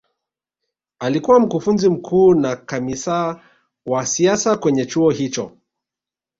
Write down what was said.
alikuwa mkufunzi mkuu na kamisaa wa siasa kwenye chuo hicho